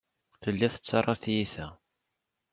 Telliḍ tettarraḍ tiyita.